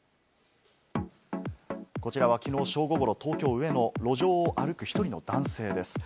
こちらは、きのう正午ごろ、東京・上野の路上を歩く、１人の男性です。